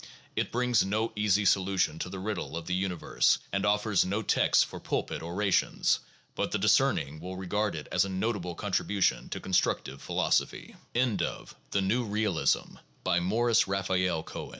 It brings no easy solution to the riddle of the uni verse, and offers no texts for pulpit orations. But the discerning will regard it as a notable contribution to constructive philosophy. Mobbis Raphael Cohe